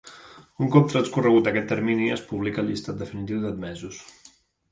Un cop transcorregut aquest termini, es publica el llistat definitiu d'admesos.